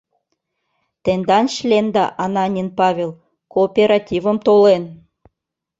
Тендан членда Ананин Павел кооперативым толен.